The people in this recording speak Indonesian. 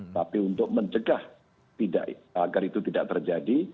tapi untuk mencegah agar itu tidak terjadi